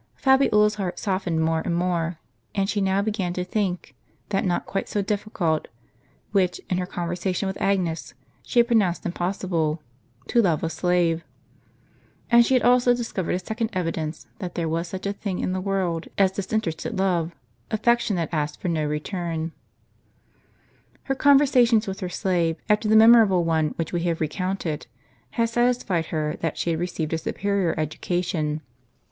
Fabiola's heart softened more and more; and she now began to think that not quite so difficult, which, in her conversation with Agnes, she had pronounced impossible — to love a slave. And she had also discovered a second evidence, that there was such a thing in the world as disinterested love, affection that asked for no return. * Such as are given by Macrobius in his Saturnalia, lib. i., and by Valerius Maxim us. Her conversations with her slave, after the memorable one which we have recounted, had satisfied her that she had received a superior education.